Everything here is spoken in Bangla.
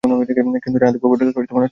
কিন্তু জান্নাতে পবিত্রতা নষ্ট হওয়া অনুচিত।